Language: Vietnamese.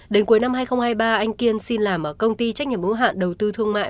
đến cuối năm hai nghìn hai mươi ba anh kiên xin làm ở công ty trách nhiệm bố hạn đầu tư thương mại